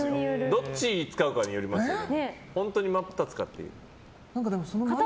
どっち使うかによりますね。